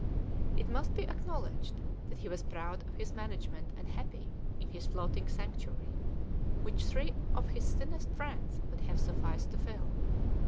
It must be acknowledged that he was proud of his management and happy in his floating sanctuary, which three of his thinnest friends would have sufficed to fill.